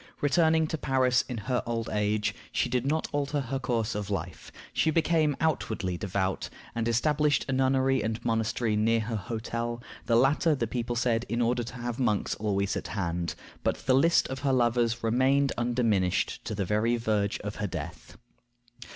Returning to Paris in her old age, she did not alter her course of life. She became outwardly devout, and established a nunnery and monastery near her hotel; the latter, the people said, in order to have monks always at hand; but the list of her lovers remained undiminished to the very verge of her death.